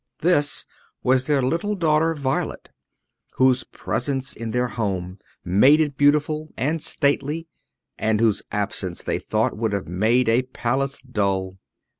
This was their little daughter Violet, whose presence in their home made it beautiful and stately, and whose absence, they thought, would have made a palace dull.